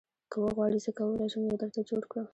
که وغواړې زه کولی شم یو درته جوړ کړم